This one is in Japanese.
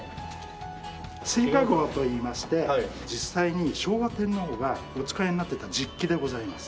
精華号といいまして実際に昭和天皇がお使いになっていた実機でございます。